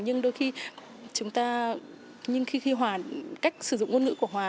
nhưng đôi khi chúng ta nhưng khi hòa cách sử dụng ngôn ngữ của hòa